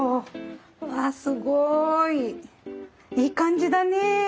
わあすごい！いい感じだねえ。